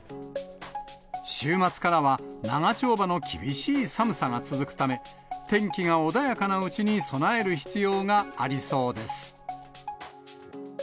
週末からは、長丁場の厳しい寒さが続くため、天気が穏やかなうちに備える必要がありそうです。